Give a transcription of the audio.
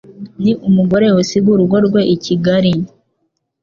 Ni umugore usiga urugo rwe i Kigali